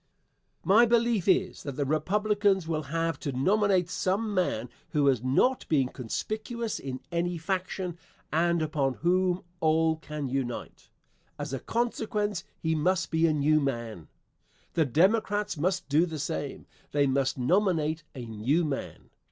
Answer. My belief is that the Republicans will have to nominate some man who has not been conspicuous in any faction, and upon whom all can unite. As a consequence he must be a new man. The Democrats must do the same. They must nominate a new man.